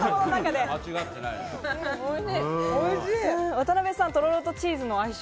渡さんとろろとチーズ相性